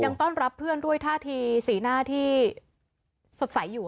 ต้อนรับเพื่อนด้วยท่าทีสีหน้าที่สดใสอยู่